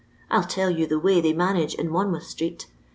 I'll tell you the way they manage in Monmouth street.